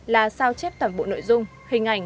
là sao chép toàn bộ nội dung hình ảnh